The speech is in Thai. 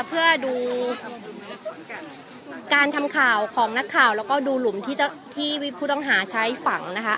เพื่อดูการทำข่าวของนักข่าวแล้วก็ดูหลุมที่ผู้ต้องหาใช้ฝังนะคะ